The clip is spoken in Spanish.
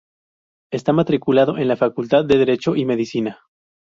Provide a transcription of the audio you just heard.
Esta matriculado en la facultad de derecho y medicina.